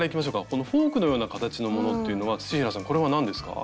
このフォークのような形のものっていうのは土平さんこれは何ですか？